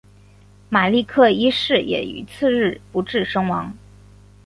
马立克一世也于次日不治身亡。